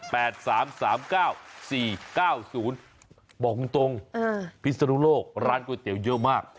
บอกตรงพิศนุโลกร้านก๋วยเตี๋ยวเยอะมาก